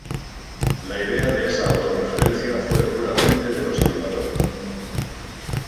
La idea de esa auto-referencia fue puramente de los animadores.